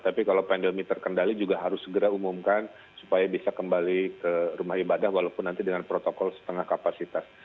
tapi kalau pandemi terkendali juga harus segera umumkan supaya bisa kembali ke rumah ibadah walaupun nanti dengan protokol setengah kapasitas